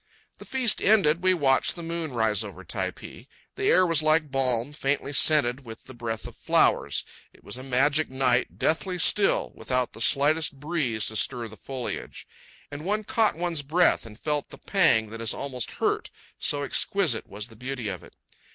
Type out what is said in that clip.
The feast ended, we watched the moon rise over Typee. The air was like balm, faintly scented with the breath of flowers. It was a magic night, deathly still, without the slightest breeze to stir the foliage; and one caught one's breath and felt the pang that is almost hurt, so exquisite was the beauty of it.